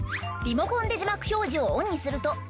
リモコンで字幕表示をオンにすると。